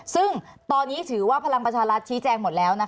ซึ่งตอนนี้ถือว่าพลังประชารัฐชี้แจงหมดแล้ว